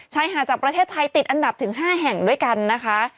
ชายหาดจากประเทศไทยติดอันดับถึง๕แห่งด้วยกันนะคะ